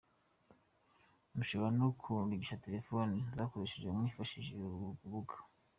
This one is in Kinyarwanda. Mushobora no kugurisha terefone zakoreshejwe mwifashishije uru rubuga.